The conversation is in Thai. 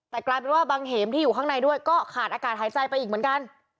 แต่กลายเป็นว่าบางเหมที่อยู่ข้างในด้วยก็ขาดอากาศหายใจไปอีกเหมือนกัน